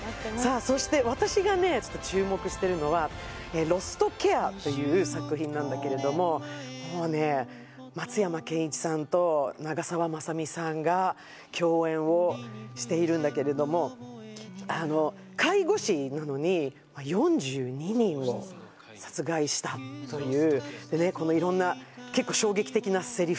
そして私がね注目してるのは「ロストケア」という作品なんだけれどももうね松山ケンイチさんと長澤まさみさんが共演をしているんだけれども介護士なのに４２人を殺害したというでねこの色んな結構衝撃的なセリフ